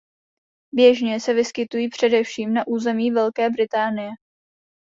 Běžně se vyskytují především na území Velké Británie.